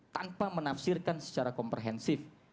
tanpa menafsirkan secara komprehensif